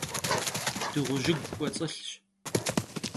Dığujıgu k'uets'ılhş.